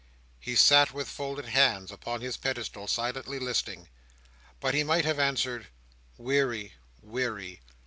He sat, with folded hands, upon his pedestal, silently listening. But he might have answered "weary, weary!